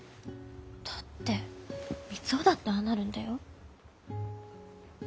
だって三生だってああなるんだよ？